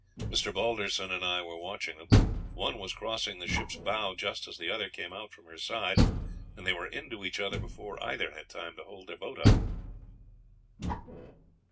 Mr. Balderson and I were watching them; one was crossing the ship's bow just as the other came out from her side, and they were into each other before either had time to hold their boat up."